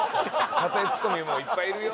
例えツッコミもいっぱいいるよ。